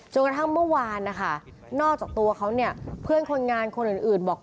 กระทั่งเมื่อวานนะคะนอกจากตัวเขาเนี่ยเพื่อนคนงานคนอื่นบอก